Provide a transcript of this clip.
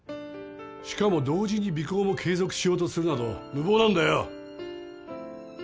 しかも同時に尾行も継続しようとするなど無謀なんだよ。